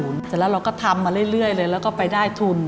เสร็จแล้วเราก็ทำมาเรื่อยเลยแล้วก็ไปได้ทุน